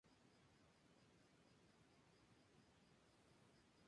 Los primeros habitantes del lugar fueron ingleses, italianos, españoles y criollos.